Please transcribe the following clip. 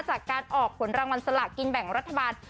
จากการออกผลรางวัลสลากินแบ่งรัฐบาล